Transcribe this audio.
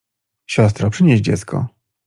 — Siostro, przynieś dziecko…